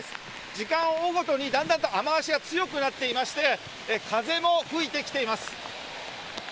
時間を追うごとに、だんだんと雨足が強くなっていまして、風も吹いてきています。